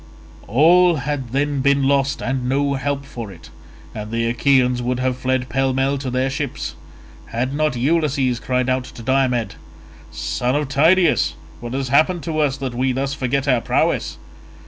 All had then been lost and no help for it, and the Achaeans would have fled pell mell to their ships, had not Ulysses cried out to Diomed, "Son of Tydeus, what has happened to us that we thus forget our prowess?